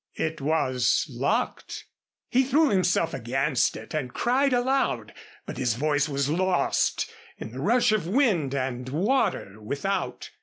It was locked. He threw himself against it and cried aloud, but his voice was lost in the rush of wind and water without.